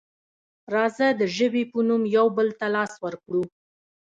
راځه د ژبې په نوم یو بل ته لاس ورکړو.